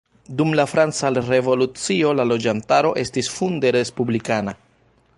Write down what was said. Dum la franca revolucio, la loĝantaro estis funde respublikana.